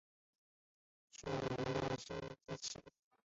水龙的升级棋。